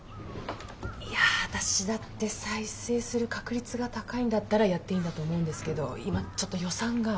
いや私だって再生する確率が高いんだったらやっていいんだと思うんですけど今ちょっと予算が。